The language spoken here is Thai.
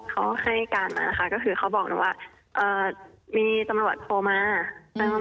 เขาให้การมานะคะก็คือเขาบอกนะว่าเอ่อมีตำรวจโทรมา